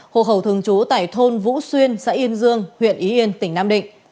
hộ khẩu thường trú tại thôn vũ xuyên xã yên dương huyện y yên tỉnh nam định